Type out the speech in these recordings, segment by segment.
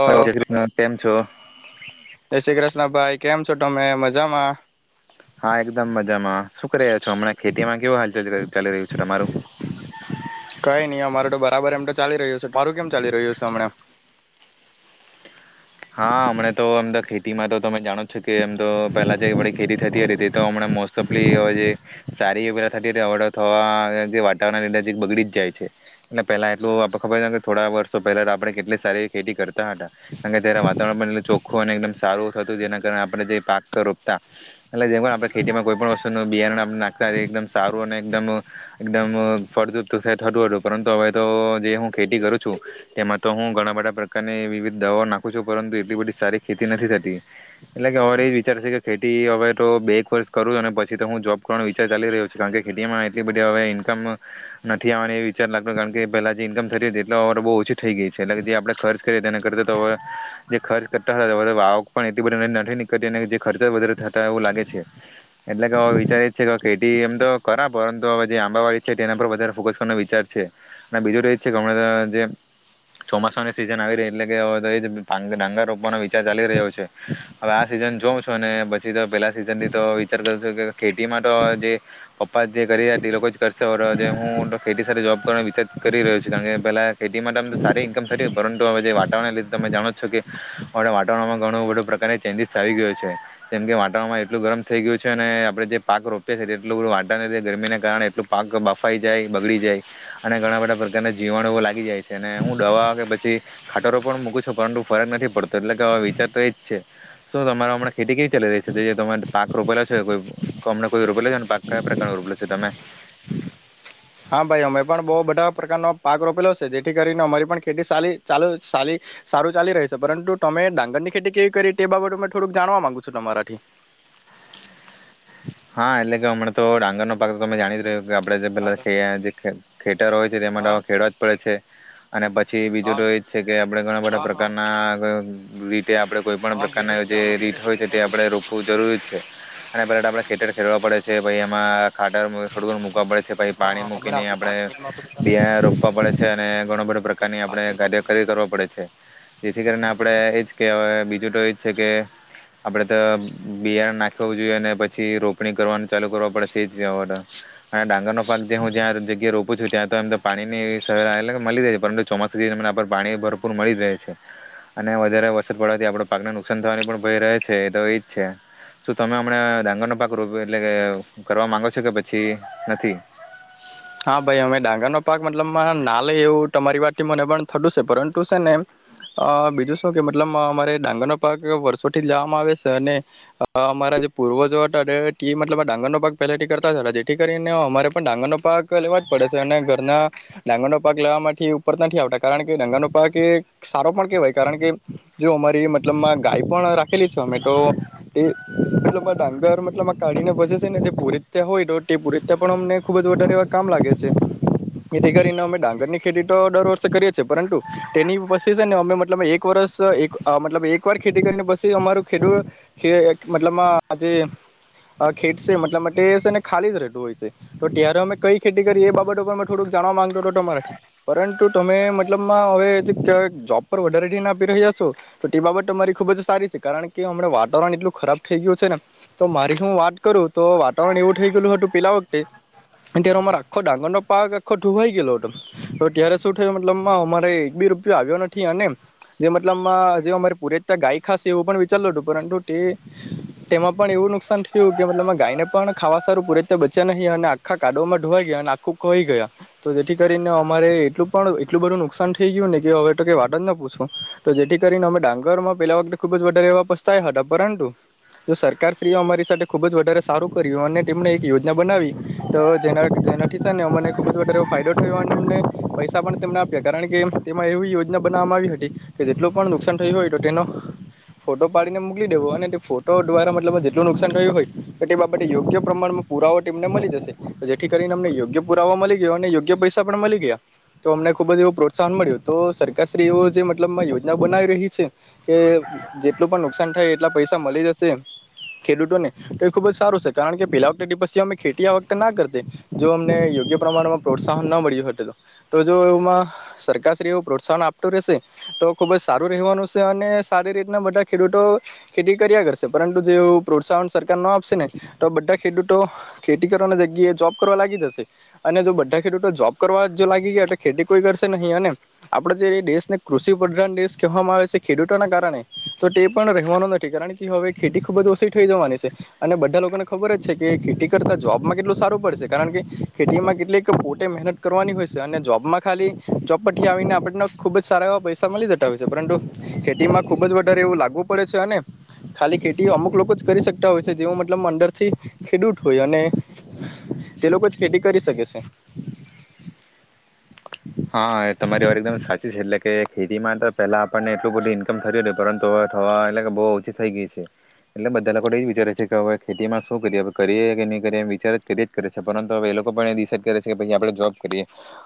તો હાલો જાય શ્રી જય ક્રિષ્ના કેમ છો? શ્રી ભાઈ કેમ છો તમે મજામાં હા એકદમ મજામાં શું કર હમણા ખેતીમાં કેવું હાલ ચાલ ચાલી રહ્યું છે તમારું કઈ નહી અમારો તો બરાબર એમ તો ચા રહ્યું છે માારું કેમ ચાલી રહ્યું છે હમણાં હા હમણાં તો અંદર ખેતીમાં તો તમે જાણો છો કે એમ તો પેલા જે વળી ખેતી થતી હતી તે તો હમણાં મોસ્ટ ઓફલી જે સારી એ પેલા થતી હતી હવે તો થવા વાતાવરણની નજીક બગડી જ જાય છે ને પેલા એટલું આપ ખબર કે થોડા વર્ષો પહેલા તો આપણે કેટલી સારી ખેતી કરતા હતા કારણ કે ત્યારે વાતાવરણ ચોખ્ખું અને એકદમ સારું થતું જેના કારણે આપણે જે પાક રોપતા એટલે જેમ આપણે ખેતીમાં કોઈ પણ વસ્તુનું બિયારણ નાખતા એકદમ સારું અને એકદમ એકદમ ફળદ્રુપ્ત થતું હતું પરંતુ હવે તો જે હું ખેતી કરું છું તેમાં તો હું ઘણા બધા પ્રકારની વિવિધ દવાઓ નાખ પરંતુ એટલી બધી સારી ખેતી નથી થતી એટલે કે હરે એ વિચાર છે કે ખેતી હવે તો બે એક વર્ષ કરું અને પછી તો હું જોબ કરવાનો વિચાર ચાલી રહ્યો છું કારણ કે ખેતીમાં એટલી બધી હવે ઈન્કમ નથી આવવાનો એ વિચાર લાગતો કારણ કે પહેલા જે ઇન્કમ થતી હતી એટ અવાર બહુ ઓછી થઈ ગઈ છે એટલે કે જે આપણે ખર્ચ કરીએ તેને કરતા તો હવે જે ખર્ચ કરતા હતા હવ તો આવક પણ એટલી બધી નથી નીકતી જે ખર્ચ વધારે થતા એવું લાગે છે એટલે કેવે વિચાર એ છે કે ખેતી એમ તો કરા પરંતુ હવે જે આંબાવાડી છે તેના પર વધારે ફોકસનો વિચાર છે અને બીજું તો એ છે કે હણાં જે ચોમાસાની સિઝન આવી રહી એટલે કે તો જ ડાંગર રોપવાનો વિચાર ચાલી રહ્યો છે હવે આ સિઝન જોઉં છું અને પછી તો પેલા સિઝન થી તો વિચાર કર છું કે ખેતી માટે તો જે પપ્પા જે કરી રહ્યા એ લોકો જ કરશે હું તો ખેતી સાથે જોબ કરવાનો વિચાર કરી રહ્યો છું કારણ કે પેલા ખેતી માટે આમ તો સારી ઈન્કમ થતીય પરંતુ હવે જે વાતાવરણ ને લીધે તમે જાણો છો કે આપણા વાતાવરણમાં ઘણું બધું પ્રકારની ચેન્જીસ આવી ગયું છે જેમ કે વાતાવરણમાં એટલું ગરમ થઈ ગયું છે ને આપડણે જે પાક રોપએીએ એટલું બધું વાટવરણ ગરમીને કારણે એટલું પાક બાફાઈ જાય બગડી જાય અને ઘણા બધા પ્રકારના જીવાણુઓ લાગી જાય છે અને હું દવા કે પછી ખાટરો પણ મૂક પરંતુ ફરક નથી પડતો એટલે કે હવે વિચાર તો એજ છે શું તમારે હમણાં ખેતી ખરી ચાલી રહી છે જે તમારે પાક રોપેલો છે કો અમને કોઈ રોપેલો છે પાક કયા પ્રકાર ન રોપેલો છે તમે હા ભાઈ અમે પણ બહુ બધા પ્રકારનો પાક રોપેલો છે જેથી કરીને અમારી પણ ખેતી સાલી ચાલી ચાલી સારું ચાલી રહી છે પરંતુ તમે ડાંગર ની ખેતી કેવી કરી તે બાબત થોડુંક જાણવા માંગુ છું તમારાથી હા એટલે કે હમણાં તો ડાંગર નો પાક તો તમે જાણી જ રહ્યો આપડે જે પેલા હલો ખે યા જે ખેતર હોય છે તેમા તો હા ખેડવા જ પડે છે અને પછી બીજું હા તો એજ છે કે આપડણે ઘણા બધા હા હા પ્રકારના રીતે આપણે કોઈ પણ હા ઘેર પ્રકારના જ છે જે રીત મંદિર હોય છે તે આપણે રોપવું જરૂરી જ છે અને પેલા આપણે ખેતર ખેડવા પડે છે પાછી એમાં ખાટર ખોડુંક મૂકવા પડે છે પછી પાણી મૂકીને હમણાં આપણે પાંચ મિનિટમાં તો ચાલે બીહા રોપવા પડે છે અને ઘણો બધો છે, પ્રકારની પાંચ આપણે મિનિટમાં કાર્ય ફોન કરું કરવા પડે છે જેથી કરીને આપડણે એજ કે હવે બીજું તો એજ છે કે આપડે તો બિયા નાખું જોઈએ પછી પછી રોપણી કરવાનું ચાલુ કરવા પડે છે એ આ ડાંગરનો પાક જે હું જ્યાં જગ્યા રોપું છું ત્યાં તો એમ તો પાણી ની સ એલે મળી જાય છે પરંતુ ચોમાસુંમને પાણી ભરપૂર મળી જ રહે છે અને વધારે વરસાદ પડવાથી આપડા પાકને નુકસાન થવાની પણ ભય રહે છે એ તો એજ છે શું તમે હમણા ડુગર નો પાક રોપિયો એટલે કે કરવા માંગો છો કે પછી નથી હા ભાઈ અમે ડાંગરનો પાક મતલબ ના લઈએ એવું તમારી વાત થી મને પણ થતું છે પરંતુ છે ને અ બીજું શું કે મતલબ અમારે ડાંગરનો પાક વર્ષોથી જ લવામાં આવે છે અને અમારા જે પૂર્વજો હતા તે મતલબ ડાંગરનો પાક પહેલાથી કરતા હતા જેથી કરીને અમારે પણ ડાંગરનો પાક. લેવા પડે અને ઘરના ડાંગરનો પાક લેવા માટેથી ઉપર નથી આવતા કારણ કે ડાંગરનો પાક એ સારો પણ કેહેવાય કારણ કે જો અમારી મતલબમાં ગાય પણ રાખેલી છે અમે તો એ મતલબ ડાંગર મતલબ કાઢીને બેસે છે ને જે પૂરિત્યા હોય તો તે પુરિત્યા પણ અમને ખુબ જ વધારે. કામ લાગે છે તેથી કરીને અમે ડાંગર ની ખેતી તો દર વર્ષે કરીએ છીએ પરંતુ તેની પછી છે ને અમે મતલબ એક વર્ષ એક અ મતલબ એક વાર ખેતી કરીને પસી અમારું ખેડૂત મતલબમાં અ જે અ ખેત છે મતલબ છે તે ખાલી જ રહેતું હોય છે તો ત્યારે અમે કઈ. ખેતી કરી એ બાબત ઉપર થોડુંક જાણવા માંગતો હતો તમારાથી પરંતુ તમે મતલબમાં હવે જોબ પર વધારે ના આપી રહ્યા છો તો તે બાબત તમારી ખુબ જ સારી છે કારણ કે હમણાં વાતાવરણ એટલું ખરાબ થઈ ગયું છે ને તો મારી હું વાત કરું તો વાતાવરણ એવું થઈ ગયેલું હતું પેલા વખતે આખો ડાંગરનો પાક આખો ઢુવાઈ ગયેલો હતો તો ત્યારે શું થયું મતલબમાં અમારે એક બી રૂપયો આવ્યો નથી અને જે મતલબમાં જે અમારે પુતેત્તરગાય ખાશે એવું પણ વિચારલ હતું પરંતુ તે તેમાં પણ એવું નુકસાન થયું કે મતલબ ગાયને પણ ખાવા સારું પૂરેતર બચ્યા નહીં અને આખા કાઢવા માટે. ધીવાઈ ગયા અને આખું ખોવાય ગયા તો જેથી કરીને અમારે એટલ પણ એટલું બધું નુકસાન થઈ ગયું ને કે હવે તો વાત જ ન પૂછો તો જેથી કરીને અમે ડાંગરમાં પેલા વખતે ખુબ જ વધારે એવા પસ્તાયા હતા પરંતુ જો સરકારશ્રીએ અમારી સાથે ખુબ જ વધારે સારું કર્યું અને તેમણે એક યોજના બનાવી તો. જેના થી જેના થી સેને અમને ખૂબ જ વધારે ફાયદો થયો અને એમને પૈસા પણ તેમને આપ્યા કારણ કે તેમાં એવી યોજના બનાવવામાં આવી હતી કે જેટલું પણ નુકસાન થયું હોય તો તેનો ફોટો પાડીને મોકલી દેવો અને તે ફોટો દ્વારા મતલબ જેટલું નુકસાન થયું હોય તો તે બાબતે યોગ્ય પ્રમાણમાં પુરાવઓ તેમને મળી જશે. જેથી કરીને અમને યોગ્ય પુરાવા મળી ગયો અને યોગ્ય પૈસા પણ મળી ગયા તો અમને ખુબ જ એવો પ્રોત્સાહન મળ્યું તો સરકાર શ્રી એવો જે મતલબ યોજના બનાવી રહી છે કે જેટલું પણ નુકસાન થાય એટલા પૈસા મળી જશે ખેડૂતોને તો એ ખુબ જ સારું છે કારણ કે પેલા વખતે અમે ખેતી વતે. ના કર તે જો અમને યોગ્ય પ્રમાણમાં પ્રોત્સાહન ના મળ્યું તો તો જો એમાં સરકાર શ્રી એવ પ્રોત્સાહન આપતું રહેશે તો ખુબ જ સારું રહેવાનું છે અને સારી રીતના બધા ખેડૂતો ખેતી કર્યા કરશે પરંતુ જો એવું પ્રોત્સાહન સરકાર ન આપશે ને તો બધા ખેડૂતો ખેતી. જગ્યાએ જોબ કરવા લાગી જશે અને જો બધા ખેડૂતો જોબ કરવા જો લાગી ગયા તો ખેતી કોઈ કરશે નહીં અને આપડે જે દેશને કૃષિ પ્રધાન દેશ કહેવામાં આવે છે ખેડૂતોના કારણે તો તે પણ રહેવાનો નથી કારણ કે હવે ખેતી ખૂબ જ ઓછી થઈ જવાની છે અને બધા લોકોને ખબર જ છે કે ખેતી કરતા જોબ. જોબમાં કેટલું સારું પડશે કારણ કે ખેતીમાં કેટલીક પોતે મહેનત કરવાની હોય છે અને જોબમાં ખાલી જોબ પર થી આવીને આપણને ખૂબ જ સારા એવા પૈસા મળી જતા હોય છે પરંતુ ખેતીમાં ખુબ જ વધારે એવું લાગવું પડે છે અને ખાલી ખેતી અમુક લોકો જ કરી શકતા હોય છે જેઓ મતલબ અંદરથી ખેડૂત હોય અને તે લોકો જ ખેતી કરી શકે છે. હા તમારી વાર એકદમ સાચી છે એટલે કે ખેતી માં તો પેલા આપણને એટલું બધું ઈન્કમ થય હત પરંતુ હવે થવા એટલે બહુ ઓછી થઈ ગઈ છે એટલે બધા લોકોને એ જ વિચારે છે કે હવે ખેતીમાં શું કરીએ કરીએ કે નહી કરીએ એ વિચ કરી જ કરે છે પરંતુ હવે એ લોકો પણ ડિસાઇડ કરે છે કે આપણે જોબ કરીએ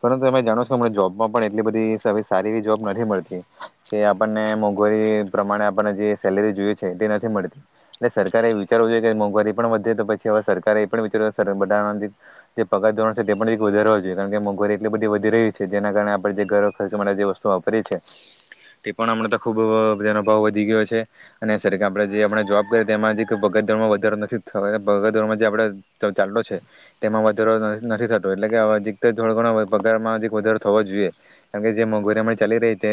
પરંતુ તમે જાણોો. જોબમાં પણ એટલી બધીસ સારી એવી જોબ નથી મળતી કે આપણને મોંઘવારી પ્રમાણે આપણને જે સેલેરી જોય છે તે નથી મળતી એટલે સરકારે એ વિચારવું જોઈએ કે મોંઘવારી પણ વધે તો પછી હવે સરકારે એ પણ વિચાર્યું પગાર ધો છે તે વધાર જોઈએ કારણ કે મોંઘવારી એટલી બધી વધી રહી છે. જેના કારણે આપણે જે ઘર ખર્ચ માટે જે વસ્તુ વાપરી છે તે પણ આપમણાં તો ખૂબ જેના ભાવ વધી ગયો છે અને આપણે જે આપણે જોબ કરીએ તેમાં જ પગાર માં વધારો નથી થગોમાં જે આપણે ચાલતો છે તેમાં વધારો નથી થતો એટલે કેથોડો ઘણ પગારમાં. વધારો થવો જોઈએ કારણ કે જે મોંઘવારીમાં ચાલી રહી તે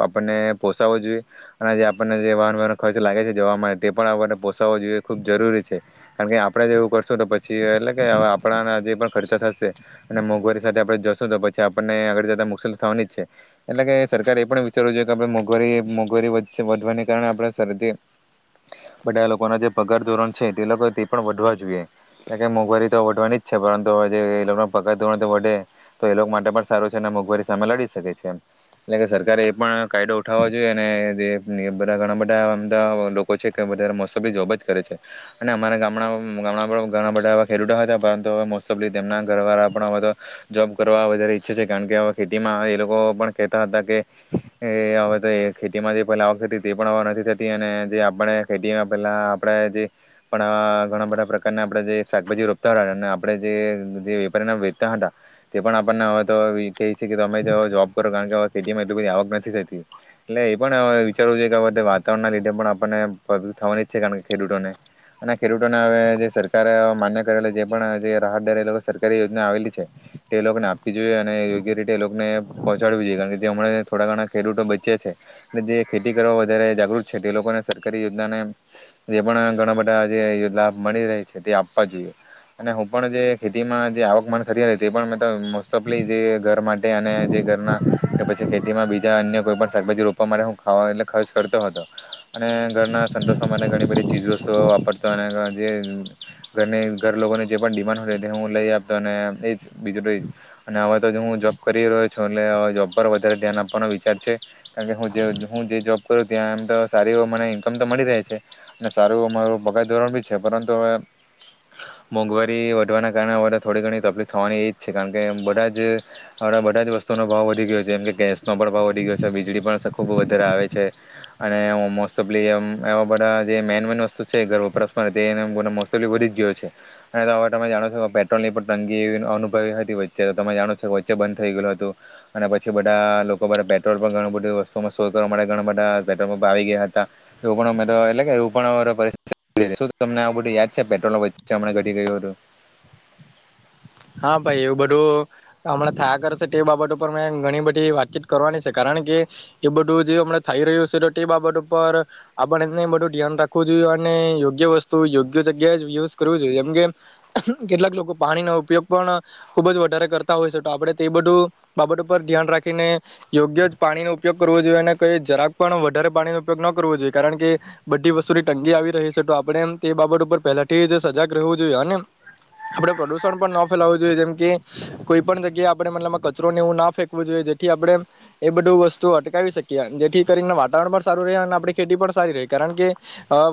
આપણને પોષાવો જોઈએ અને જે આપણને જે વાહન વાનો ખર્ચ લાગે છે જવા માટે તે પણ આપને પોસાવવો જોઈએ ખુબ જરૂરી છે કારણ કે આપણેે જેવું કરશું તો પછી એટલે કે આપણાના જે પણ ખર્ચા થશે અને મોંઘવારી સાથે આપણે જશું તો પછી. અપડને આગળ જતા મુસલ થવાની જ છે એટલે કે સરકારે એ પણ વિચારવું જોઈએ કે આપ મોંઘવારી મોંઘવારી વધવાને કારણે આપણે શરદી બધા લોકોના જે પગાર ધોરણ છે તે તે પણ વધવા જોઈએ એટ કે મોંઘવારી તો વધવાની જ છે પરંતુ પગાર ધોરણ વધે તો એ લોકો માટે. સારુ છે મોંઘવારી સામે લડી શકે છે એટલે કે સરકારે એ પણ કાયદો ઉઠાવવો જોઈએ અને જે બધા ઘણા બધા ધ લોકો છે કે મો ઓફલી જોબ જ કરે છે અને અમારા ગામ ગામ ઘણા બધા એવા ખેડૂતો હતા પરંતુ હ મોફ તેમના ઘરવાળા પણ હવે તો જોબ કરવા વધારે. કારણ કે હવે ખેતીમાં એ લોકો પણ કહેતા હતા કે હવે તો ખેતીમાં જે પહેલા આવક થતી તે પણ અ નથી થતી અને જે આપણે ખેતીમાં પહેલા આપણે જે પણ ઘણા બધા પ્રકારના આપણે જે શાકભાજી રોપતા હતા અને આપણે જે વેપારીને વેચતા હતા તે પણ આપણને. તમે જોબ કરો કારણ કેવે ખેતીમાં એટલી કો આવક નથી થતી એટલે એ પણ વિચારવું જોઈએ કેધ વાતાવરણના લીધે પણ આપણને થવાની છે કારણ કે ખેડૂતોને અને ખેૂતોને હવે જે સરકારે માન્ય કરેલા જે પણ રાહતદ સરકારી યોજના આવેલી છે તે લોકોને. આપવી જોઈએ અને યોગ્ય રીતે એ લોકોને પહોંચાડવી જોઈએ કારણ કે જે હમણાં થોડા ઘણા ખેડૂતો બચ્યા છે જે ખેતી કરવા વધારે જાગૃત છે તે લોકોને સરકારી યોજનાને જે પણ ઘણા બધા જે યોજના મળી રહી છે તે આપવા જોઈએ અને હું પણ જે ખેતીમાં જે આવકમાન કરી હતી તે પણ સોંપલી જે ઘર માટે અને જે ઘરના કે પછી ખેતીમાં બીજા અન્ય કોઈ પણ શાકભાજી રોપવા માટે હું ખાવા એટલે ખર્ચ કરતો હતો અને ઘરના સંતોષો માટે ઘણી બધી ચીજવસ્તુઓ વાપરતો અને જે ઘરની ઘર લોકોની જે પણ ડિમાન્ડ હોય તે હું લઈ આપતો અને એ જ બીજું અને હવે તો હું જોબ કરી રહ્યો છું એટલે જોબ પર વધારે ધ્યાન આપવાનો વિચાર છે કારણ કે હું જે જોબ કરું ત્યાં એમ તો સારી મને ઈન્કમ તો મળી રહે છે અને સારું મારું પગાર ધોરણ બી છે પરંતુ હવે મોંઘવારી વધવાના કારણે હ થોડી ઘણી તકલીફ થવાની એ જ કારણ કે બધા જ બધા જ વસ્તુઓનો ભાવ વધી ગયો છે જેમ કે ગેસનો પણ ભાવ વધી ગયો છે વીજળી પણ ખૂબ વધારે આવે છે અને મોસ્ટ ઓફલીમ એવા બધા જે મેન મેન વસ્તુ છે ઘર વપરાશમાં તે મોસ્ટ ઓફલી વધી જ ગયો છે અને તો હવે તમે જાણો છો પેટ્રોલની પણ તંગીનુ વચચે તો તમે જાણો છો કે વચ્ચે બંધ થઈ ગયલુ હતું અને પછી બધા લોકો પેટ્રોલ પર ઘણું બધું વસ્તુ માં શોધવા મળે ઘણા બધા પેટ્રોલપમ્પ આવી ગયા હતા એવું પણ આપણે તો એટલે કે એવ પણિત શુ બધું યાદ છે પેટ્રોલ્ચેમ ઘટી ગયું હતું. હા ભાઈ એવું બધું હમણા થયા કરશે તે બાબત ઉપર મે ઘણી બધી વાતચીત કરવાની છે કારણ કે એ બધું જે હમ થઈ રહ્યું છે તો તે બાબત ઉપર આપને એમને બધું ધ્યાન રાખવું જોઈએ અને યોગ્ય વસ્તુ યોગ્ય જગ્યાએ જ યુઝ કરવું જોઈએ જેમ કે કેટલાક લોકો પાણી નો પણ ખૂબ જ વધારે કરતા હોય છે તો આપણે તે બધું બાબત ઉપર ધ્યાન રાખીને યોગ્ય જ પાણીનો ઉપયોગ કરવો જોઈએ અને કઈ જરાક પણ વધારે પાણીનો ઉપયોગ ન કરવો જોઈએ કારણ કે બધી વસ્તુની તંગી આવી રહી છે તો આપણે એ તે બાબત ઉપર પહેલાથી જ સજાગ રહેવું જોઈએ અને આપણે પ્રદુષણ પણ ન ફેલાવું જોઈએ જેમ કે કોઈ પણ જગ્યાએ આપણે મતલબમાં કચરોને એવું ના ફેંકવું જોઈએ જેથી આપણે એ બધું વસ્તુ અટકાવી શકીએ જેથી કરીને વાતાવરણ પણ સારું રહે અને આપણી ખેતી પણ સારી ર કારણ કે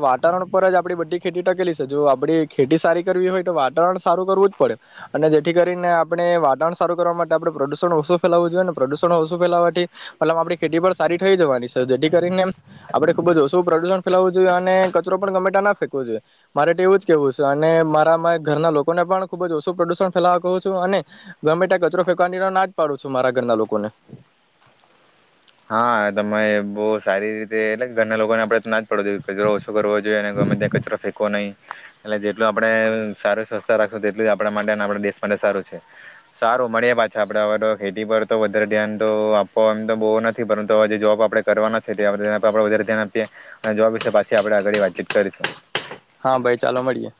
વાતાવરણ પર જ આપડી બધી ખેતી ટકેલી છે જો આપડી ખેતી સારી કરવી હોય તો વાતાવરણ સારું કરવું જ પડે. અને જેથી કરીને આપણે વાતાવરણ સારું કરવા માટે આપણે પ્રદુષણ ઓછું ફેલાવવું જોઈએ ને પ્રદુષણ ઓછું ફેલાવાથી મતલબ આપડી ખેતી પણ સારી થઈ જવાની છે જેથી કરીને આપણે ખુબ જ ઓછું પ્રદુષણ ફેલાવું જોઈએ અને કચરો પણ ગમેટ ના ફેકવો જોઈએ મારે તો એવું જ કેવું છે અને મારા ઘરના લોકોને પણ ખુબ જ ઓસુ પ્રદુષણ ફેલાવા કહું છું અને ગમે ત્યાં કચરો ફેંકવાની ના જ પાડું છું મારા ઘરના લોકોને, હા તમે બહુ સારી રીતે એટલે ઘરના લોકોને આપણે ના જ અપડવો કચરો ઓછો કરવો જોઈએ અનેમે ત્યાં કચરો ફંકો નહીં. એટલે જેટલું આપડે સારું સ્વસ્થ રાખશું તેટલું આપડા માટે આપડા દેશ માટે સારું છે સારું મળીએ પાછા આપડે હવે તો ખેતી પર તો વધારે ધ્યાન તો આપવ એમ તો બહુ ન પરંતુ હવે જે જોબ આપણે કરવાના છે આપ વધારે ધ્યાન આપીએ અને જોબ વિશે પાછી આપણે આગળ વાતચીત કરીશું. હા ભાઈ ચાલો મળીએ.